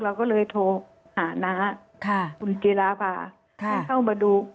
เราก็เลยโทรหาน้าคุณจิราภาให้เข้ามาดู